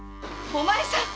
お前さん